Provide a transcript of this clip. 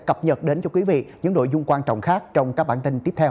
cập nhật đến cho quý vị những nội dung quan trọng khác trong các bản tin tiếp theo